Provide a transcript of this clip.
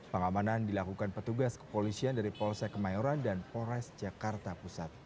pengamanan dilakukan petugas kepolisian dari polsek kemayoran dan polres jakarta pusat